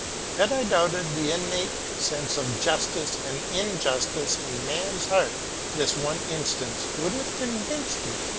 Had I doubted the innate sense of justice and injustice in man's heart, this one instance would have convinced me.